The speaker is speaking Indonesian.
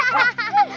mau di jawar